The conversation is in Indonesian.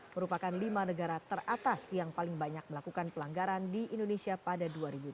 merupakan lima negara teratas yang paling banyak melakukan pelanggaran di indonesia pada dua ribu tujuh belas